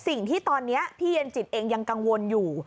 สิ่งที่ตอนนี้พี่เย็นจิตเองยังกังวลอยู่